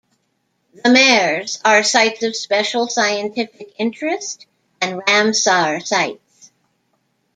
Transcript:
The meres are Sites of Special Scientific Interest and Ramsar sites.